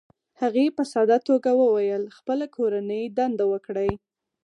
هغې په ساده توګه وویل: "خپله کورنۍ دنده وکړئ،